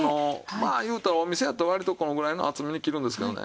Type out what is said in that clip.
まあいうたらお店やったら割とこのぐらいの厚みに切るんですけどね。